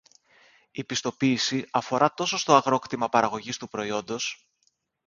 Η πιστοποίηση αφορά τόσο στο αγρόκτημα παραγωγής του προϊόντος